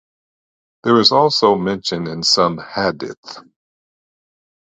There is also mention in some hadith.